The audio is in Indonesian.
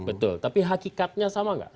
betul tapi hakikatnya sama nggak